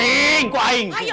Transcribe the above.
bisa ada laki laki laki di sini